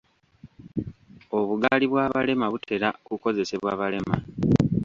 Obugaali bw'abalema butera kukozesebwa balema.